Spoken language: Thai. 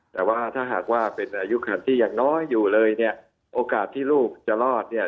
แต่ว่าถ้าหากว่าเป็นอายุคันที่ยังน้อยอยู่เลยเนี่ยโอกาสที่ลูกจะรอดเนี่ย